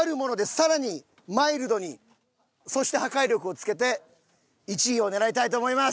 これにそして破壊力を付けて１位を狙いたいと思います。